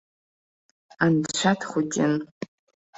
Анцәа дхәыҷын.